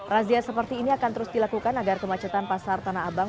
razia seperti ini akan terus dilakukan agar kemacetan pasar tanah abang